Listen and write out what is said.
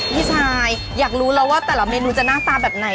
พี่ชายอยากรู้แล้วว่าแต่ละเมนูจะหน้าตาแบบไหน